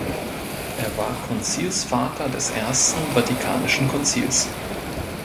Er war Konzilsvater des Ersten Vatikanischen Konzils.